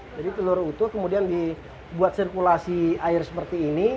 jadi telur utuh kemudian dibuat sirkulasi air seperti ini